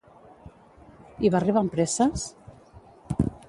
I va arribar amb presses?